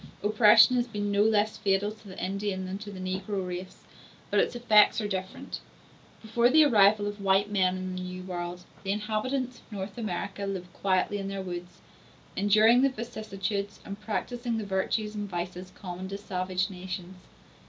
Oppression has been no less fatal to the Indian than to the negro race, but its effects are different. Before the arrival of white men in the New World, the inhabitants of North America lived quietly in their woods, enduring the vicissitudes and practising the virtues and vices common to savage nations.